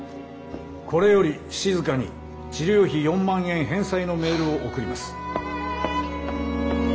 これよりしずかに治療費４万円返済のメールを送ります。